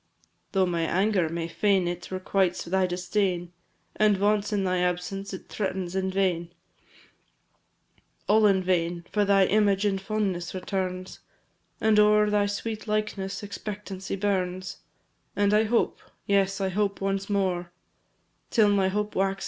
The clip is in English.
" VI. Though my anger may feign it requites thy disdain, And vaunts in thy absence, it threatens in vain All in vain! for thy image in fondness returns, And o'er thy sweet likeness expectancy burns; And I hope yes, I hope once more, Till my hope waxes high as a tower in its soar.